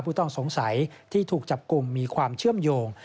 ผู้ต้องสงสัยที่ถูกจับกลุ่มมีความเชื่อมโยง